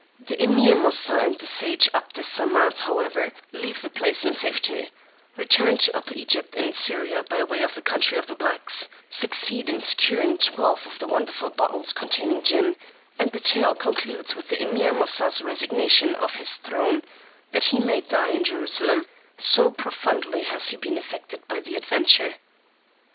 The Emeer Moosà and the sage 'Abd Es Samad, however, leave the place in safety, return to Upper Egypt and Syria by way of the Country of the Blacks, succeed in securing twelve of the wonderful bottles containing Jinn, and the tale concludes with the Emeer Moosà's resignation of his throne that he may die in Jerusalem, so profoundly has he been affected by the adventure.